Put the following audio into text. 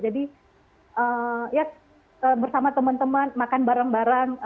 jadi bersama teman teman makan bareng bareng